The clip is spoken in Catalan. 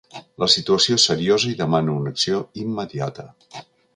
La situació és seriosa i demana una acció immediata.